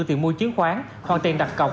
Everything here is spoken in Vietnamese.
tiền mua chứng khoán hoặc tiền đặt cọc